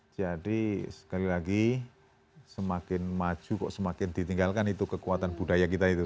jadi sekali lagi semakin maju kok semakin ditinggalkan itu kekuatan budaya kita itu